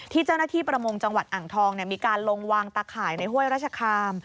ที่เจ้าหน้าที่ประมงจังหวัดอ่างทองมีการลงวางตะข่ายในห้วยราชคาม